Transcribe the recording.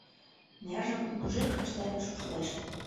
Нержым нуж-жик ыштен шупшылеш.